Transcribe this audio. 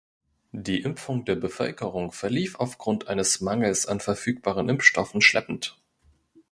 Die Impfung der Bevölkerung verlief aufgrund eines Mangels an verfügbaren Impfstoffen schleppend.